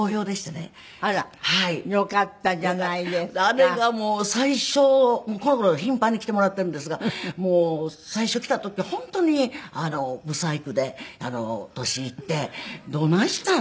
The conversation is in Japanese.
姉がもう最初この頃は頻繁に来てもらっているんですが最初来た時本当にブサイクで年いってどないしたん？